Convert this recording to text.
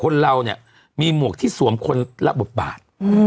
คนเรามีหมวกที่สวมคนรับบทบาท